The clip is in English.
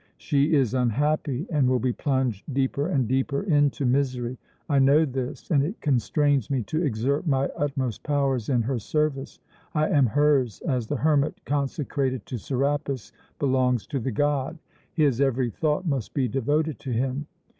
She is unhappy and will be plunged deeper and deeper into misery. I know this, and it constrains me to exert my utmost powers in her service. I am hers as the hermit consecrated to Serapis belongs to the god. His every thought must be devoted to him.